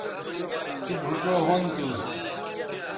تو بھوڇؤ ھُن تھو